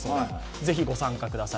ぜひ、ご参加ください。